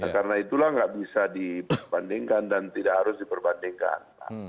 karena itulah nggak bisa diperbandingkan dan tidak harus diperbandingkan